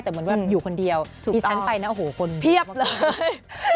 แต่เหมือนแบบอยู่คนเดียวดิฉันไปนะโอ้โหคนเพียบเลย